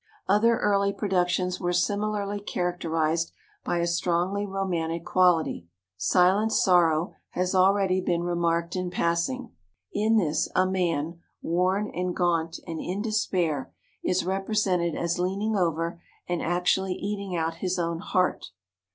Other early productions were similarly characterized by a strongly romantic qual ity. "Silent Sorrow" has already been re marked in passing. In this a man, worn and gaunt and in despair, is represented as lean ing over and actually eating out his own heart.